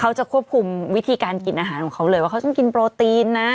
เขาจะควบคุมวิธีการกินอาหารของเขาเลยว่าเขาต้องกินโปรตีนนะ